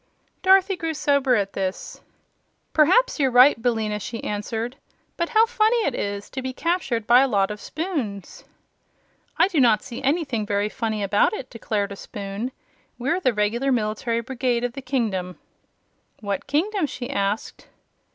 Dorothy grew sober at this. "P'raps you're right, Billina," she answered. "But how funny it is, to be captured by a lot of spoons!" "I do not see anything very funny about it," declared a spoon. "We're the regular military brigade of the kingdom." "What kingdom?" she asked.